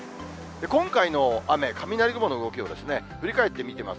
今回の雨、雷雲の動きを振り返って見てみます。